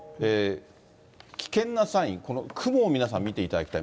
危険なサイン、この雲を見ていただきたい。